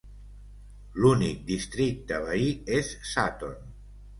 L'únic districte veí és Sutton.